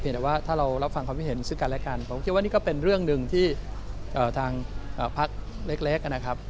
แต่ว่าถ้าเรารับฟังความคิดเห็นซึ่งกันและกันผมคิดว่านี่ก็เป็นเรื่องหนึ่งที่ทางพักเล็กนะครับ